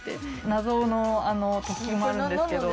謎の突起もあるんですけど。